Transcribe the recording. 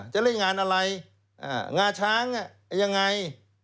จะเล่นงานอะไรงาช้างยังไง